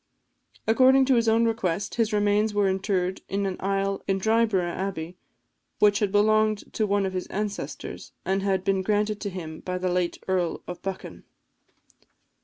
According to his own request, his remains were interred in an aisle in Dryburgh Abbey, which had belonged to one of his ancestors, and had been granted to him by the late Earl of Buchan.